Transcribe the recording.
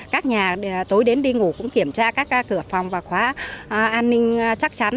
các nhà tối đến đi ngủ cũng kiểm tra các cửa phòng và khóa an ninh chắc chắn